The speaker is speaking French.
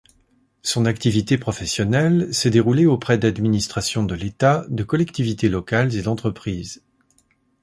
Son activité professionnelle s'est déroulée auprès d'administrations de l'État, de collectivités locales et d'entreprises.